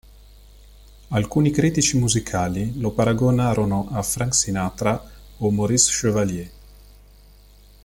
Alcuni critici musicali lo paragonarono a Frank Sinatra o Maurice Chevalier.